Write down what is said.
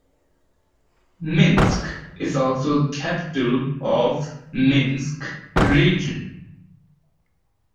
Minsk is also the capital of Minsk Region.